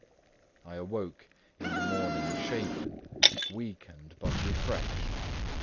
I awoke in the morning shaken, weakened, but refreshed.